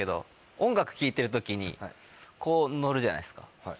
音楽聴いてる時にこうノるじゃないですか。